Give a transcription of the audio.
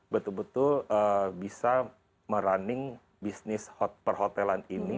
betul betul bisa merunning bisnis perhotelan ini